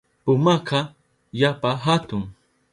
Pumaka yapa hatun.